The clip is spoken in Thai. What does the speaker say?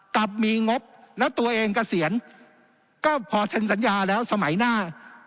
กลับมีงบแล้วตัวเองเกษียณก็พอเซ็นสัญญาแล้วสมัยหน้า